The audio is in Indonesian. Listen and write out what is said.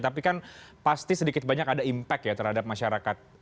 tapi kan pasti sedikit banyak ada impact ya terhadap masyarakat